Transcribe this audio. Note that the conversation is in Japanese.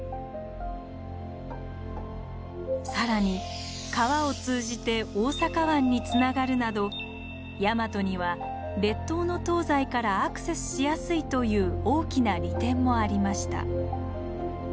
更に川を通じて大阪湾につながるなどヤマトには列島の東西からアクセスしやすいという大きな利点もありました。